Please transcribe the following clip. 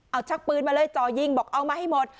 เอาชักปืนมาเลยจ่อยิงบอกเอามาให้หมด